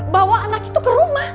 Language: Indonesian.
bawa anak itu ke rumah